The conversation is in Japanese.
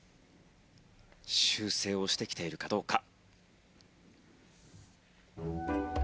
修正をしてきているかどうか。